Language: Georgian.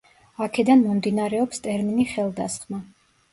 აქედან მომდინარეობს ტერმინი ხელდასხმა.